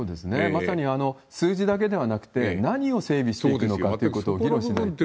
まさに数字だけではなくて、何を整備するのかということを議論しないと。